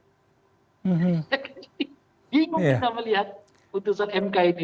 ya jadi bingung kita melihat putusan mk ini